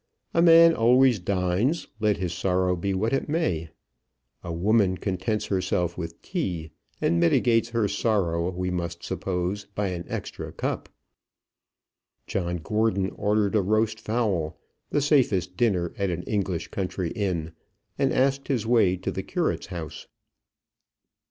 A man always dines, let his sorrow be what it may. A woman contents herself with tea, and mitigates her sorrow, we must suppose, by an extra cup. John Gordon ordered a roast fowl, the safest dinner at an English country inn, and asked his way to the curate's house.